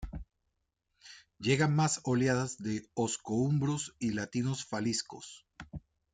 Llegan más oleadas de osco-umbros y latino-faliscos.